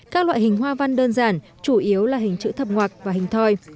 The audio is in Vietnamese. các loại hình hoa văn đơn giản chủ yếu là hình chữ thập ngoạc và hình thoi